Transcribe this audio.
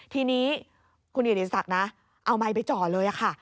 ทีนี้คุณอิติศักดิ์นะเอาไมค์ไปจ่อเลยค่ะ